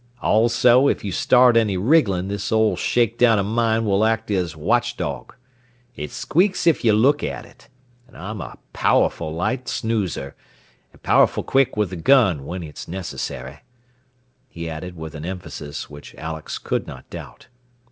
"Also, if you start any wriggling this old shake down of mine will act as watch dog. It squeaks if you look at it. And I'm a powerful light snoozer, and powerful quick with the gun when it's necessary," he added, with an emphasis which Alex could not doubt.